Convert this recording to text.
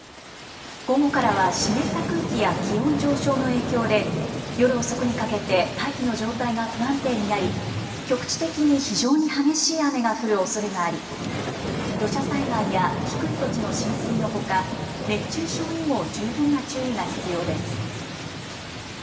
午後からは湿った空気や気温上昇の影響で夜遅くにかけて大気の状態が不安定になり局地的に非常に激しい雨が降るおそれがあり土砂災害や低い土地の浸水のほか熱中症にも十分な注意が必要です。